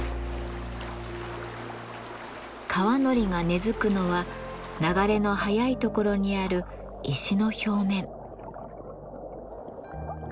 川海苔が根づくのは流れの速いところにある石の表面。